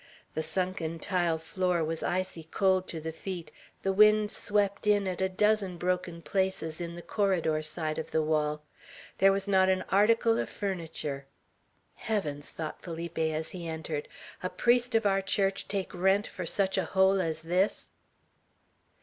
The sunken tile floor was icy cold to the feet; the wind swept in at a dozen broken places in the corridor side of the wall; there was not an article of furniture. "Heavens!" thought Felipe, as he entered, "a priest of our Church take rent for such a hole as this!"